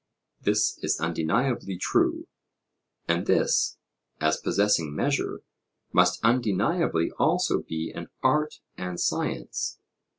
This is undeniably true. And this, as possessing measure, must undeniably also be an art and science?